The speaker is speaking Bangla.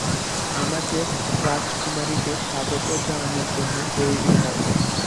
আমাদের রাজকুমারীকে স্বাগত জানানোর জন্য তৈরি হও।